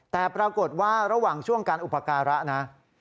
แต่ปรากฏว่าระหว่างช่วงการอุปการะนะ